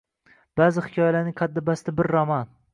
Ba’zi hikoyalarining qaddi-bastini bir roman.